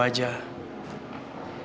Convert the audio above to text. aku gak bisa ninggalin mele begitu aja